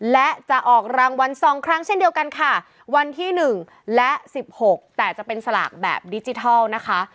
และจะออกรางวัล๒ครั้งเช่นเดียวกันค่ะวันที่๑และ๑๖แต่จะเป็นสลากแบบดิจิทัลนะคะ